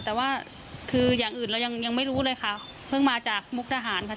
แต่ว่าคืออย่างอื่นเรายังยังไม่รู้เลยค่ะเพิ่งมาจากมุกทหารค่ะ